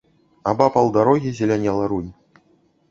Абапал дарогі зелянела рунь.